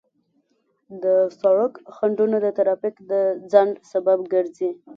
د سړک خنډونه د ترافیک د ځنډ سبب ګرځي.